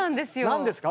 何ですか？